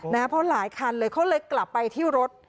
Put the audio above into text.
เพราะหลายคันเลยเขาเลยกลับไปที่รถ